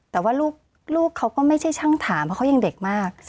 แต่ว่าลูกเขาก็ไม่ใช่ช่างถามเพราะเขายังเด็กมาก